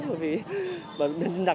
vì đặc biệt là các bạn nam bị xâm hại